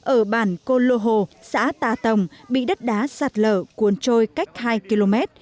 ở bản cô lô hồ xã tà tồng bị đất đá sạt lở cuốn trôi cách hai km